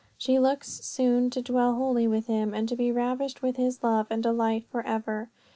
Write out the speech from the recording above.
She looks soon to dwell wholly with Him, and to be ravished with His love and delight for ever.